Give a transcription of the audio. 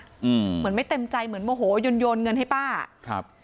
เหมือนไม่เต็มใจเหมือนโมโหยนโยนเงินให้ป้าครับ